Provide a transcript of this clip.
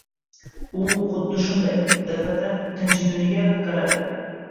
U xuddi shunday — daf’atan tinchiguniga qaradi.